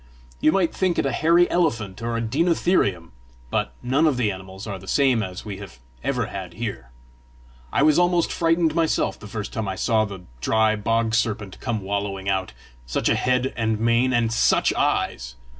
You might think it a hairy elephant or a deinotherium but none of the animals are the same as we have ever had here. I was almost frightened myself the first time I saw the dry bog serpent come wallowing out such a head and mane! and SUCH eyes!